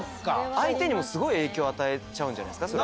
相手にもすごい影響与えちゃうんじゃないですか？